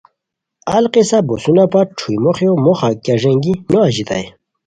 القصہ بوسونہ پت چھوئی موخیو موخہ کیہ ݱینگی نو اژیتائے